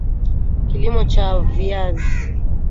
kilimo cha viazi